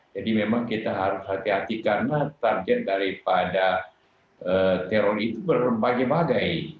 jadi memang kita harus hati hati karena target daripada teror itu berbagai bagai